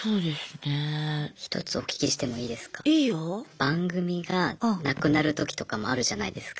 番組がなくなるときとかもあるじゃないですか。